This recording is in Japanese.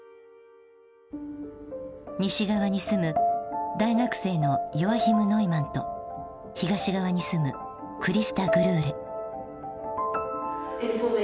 西側に住む大学生のヨアヒム・ノイマンと東側に住むクリスタ・グルーレ。